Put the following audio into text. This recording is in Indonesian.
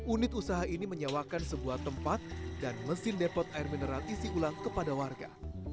unit usaha ini menyewakan sebuah tempat dan mesin depot air mineral isi ulang kepada warga